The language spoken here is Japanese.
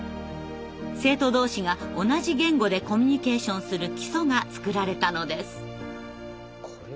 生徒同士が同じ言語でコミュニケーションする基礎が作られたのです。